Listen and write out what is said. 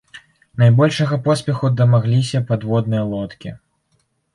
Найбольшага поспеху дамагліся падводныя лодкі.